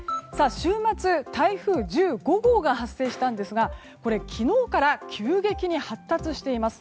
週末、台風１５号が発生したんですがこれ、昨日から急激に発達しています。